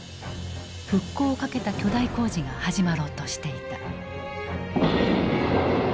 復興をかけた巨大工事が始まろうとしていた。